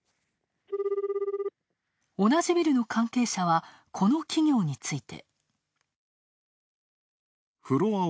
同じビルの関係者はこの企業について。